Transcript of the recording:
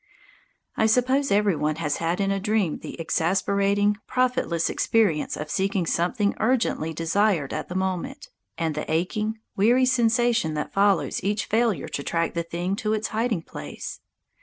I suppose every one has had in a dream the exasperating, profitless experience of seeking something urgently desired at the moment, and the aching, weary sensation that follows each failure to track the thing to its hiding place.